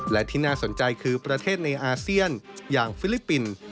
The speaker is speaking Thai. และที่น่าสนใจคือประเทศในอาเซียนอย่างฟิลิปปินส์